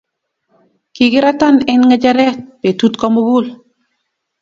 kikiratan eng ngecheree betut komugul.